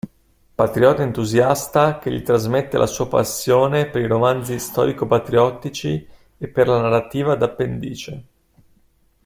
Patriota entusiasta che gli trasmette la sua passione per i romanzi storico-patriottici e per la narrativa d'appendice.